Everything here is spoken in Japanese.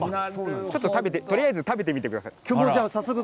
ちょっと食べて、とりあえず食べてみてください。